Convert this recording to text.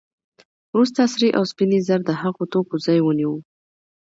وروسته سرې او سپینې زر د هغو توکو ځای ونیو